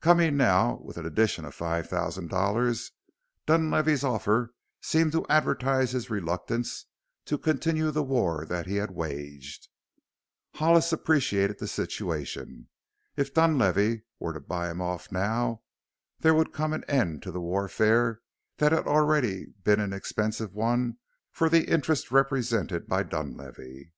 Coming now, with an addition of five thousand dollars, Dunlavey's offer seemed to advertise his reluctance to continue the war that he had waged. Hollis appreciated the situation. If Dunlavey were to buy him off now there would come an end to the warfare that had already been an expensive one for the interests represented by Dunlavey.